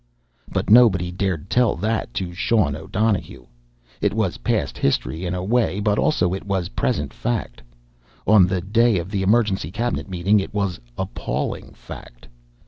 But nobody dared tell that to Sean O'Donohue! It was past history, in a way, but also it was present fact. On the day of the emergency cabinet meeting it was appalling fact.